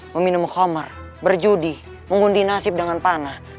meminum homer berjudi mengundi nasib dengan panah